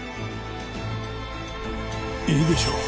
いいでしょう。